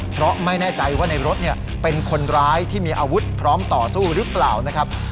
เพราะไม่แน่ใจว่าในรถเป็นคนร้ายที่มีอาวุธพร้อมต่อสู้หรือเปล่านะครับ